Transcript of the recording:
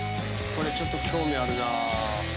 これちょっと興味あるなぁ。